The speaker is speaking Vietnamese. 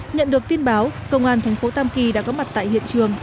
nhận được tin báo công an thành phố tam kỳ đã có mặt tại hiện trường